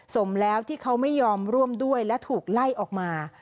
สมแล้วที่เขาไม่ยอมร่วมด้วยและถูกไล่ออกมา